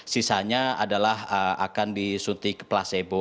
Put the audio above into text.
sisanya adalah akan disuntik placebo